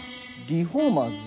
リフォーマーズ！